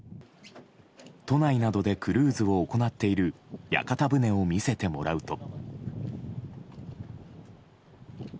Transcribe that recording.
都内などでクルーズを行っている屋形船を見せてもらうと。